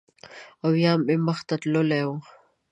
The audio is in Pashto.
او یا مې مخ ته تللی و